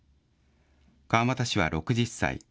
川俣氏は６０歳。